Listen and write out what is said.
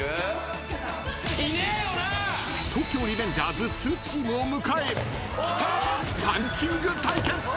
「東京リベンジャーズ２」チームを迎えパンチング対決。